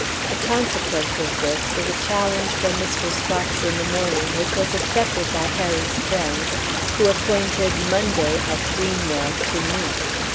The consequence of this was a challenge from Mr. Sparks in the morning, which was accepted by Harry's friends, who appointed Monday, at Greenwell, to meet.